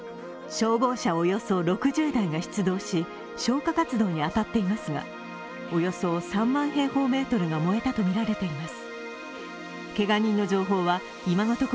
消防車およそ６０台が出動し消火活動に当たっていますがおよそ３万平方メートルが燃えたとみられています。